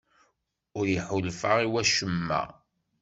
Ur iḥulfa i wacemma?